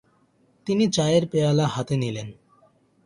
তিনি চায়ের পেয়ালা হাতে নিলেন।